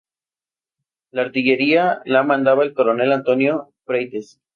La artillería la mandaba el coronel Antonio Freites.